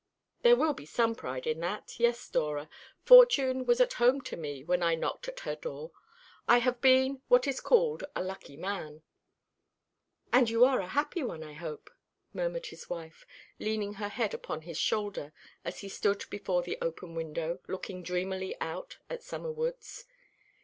"There will be some pride in that. Yes, Dora, Fortune was at home to me when I knocked at her door. I have been what is called a lucky man." "And you are a happy one, I hope," murmured his wife, leaning her head upon his shoulder, as he stood before the open window, looking dreamily out at summer woods.